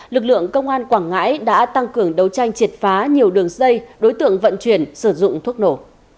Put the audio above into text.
lực lượng công an quảng ngãi đã tăng cường đấu tranh triệt phá nhiều đường dây đối tượng vận chuyển sử dụng thuốc nổ